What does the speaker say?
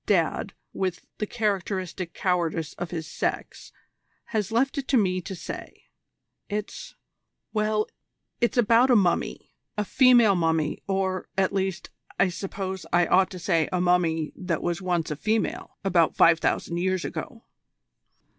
Dad, with the characteristic cowardice of his sex, has left it to me to say. It's well, it's about a mummy: a female mummy, or, at least, I suppose I ought to say a mummy that was once a female about five thousand years ago."